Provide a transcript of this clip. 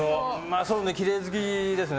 きれい好きですね。